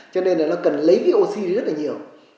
cho nên là nó cần lấy cái oxy rất là nhiều